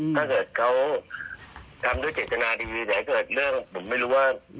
ถ้าเกิดเขาทำด้วยเจตนาดีเดี๋ยวให้เกิดเรื่องผมไม่รู้ว่า